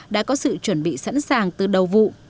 đã có sự chuẩn bị sẵn sàng từ đầu vụ